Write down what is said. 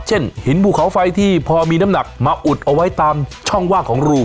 หินภูเขาไฟที่พอมีน้ำหนักมาอุดเอาไว้ตามช่องว่างของรู